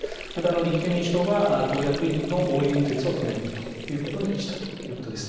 また、立憲民主党は党役員の応援演説を取りやめるということにしたということです。